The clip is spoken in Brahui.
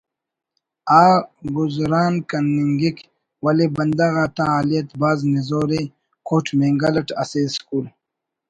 آ گزران کننگک ولے بندغ آتا حالیت بھاز نزور ءِ کوٹ مینگل اٹ اسہ اسکول